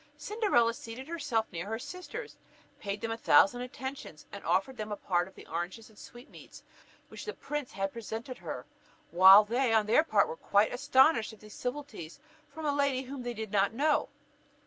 Cinderella seated herself near her sisters, paid them a thousand attentions, and offered them a part of the oranges and sweetmeats with which the prince had presented her, while they on their part were quite astonished at these civilities from a lady whom they did not know.